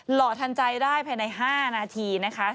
หล่อทันใจได้ภายใน๕นาทีนะคะ